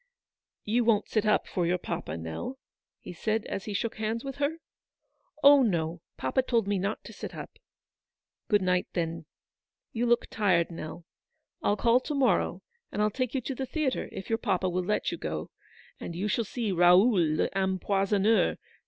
"You won't sit up for your papa, Nell," he said, as he shook hands with her. " Oh, no, papa told me not to sit up." " Good night, then. You look tired, Nell. I'll call to morrow, and I'll take you to the theatre, if your papa will let you go, and you shall see ' Raoul l'Empoisonneur."